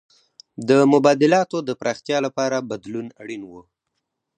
د مبادلاتو د پراختیا لپاره بدلون اړین و.